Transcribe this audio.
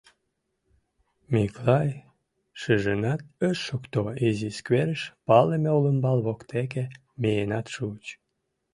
Миклай шижынат ыш шукто, изи скверыш, палыме олымбал воктеке миенат шуыч.